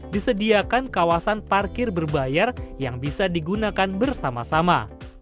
disediakan kawasan parkir berbayar yang bisa digunakan bersama sama